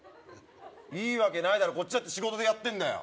いいわけないだろこっちだって仕事でやってんだよ